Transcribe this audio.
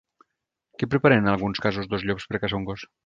Què preparen en alguns casos dos llops per caçar un gos?